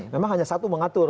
memang hanya satu mengatur